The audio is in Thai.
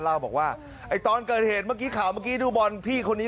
เล่าบอกว่าตอนเกิดเหตุเมื่อกี้ข่าวเมื่อกี้ดูบอลพี่คนนี้